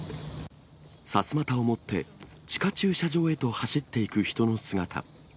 さすまたを持って、地下駐車場へと走っていく人の姿。